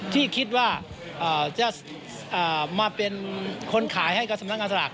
ที่คิดว่าจะมาเป็นคนขายให้กับสำนักงานสลาก